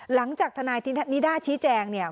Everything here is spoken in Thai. หลังจากทนายนิด้าชี้แจงเนี่ย